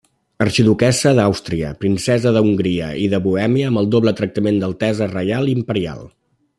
Arxiduquessa d'Àustria, princesa d'Hongria i de Bohèmia amb el doble tractament d'altesa reial i imperial.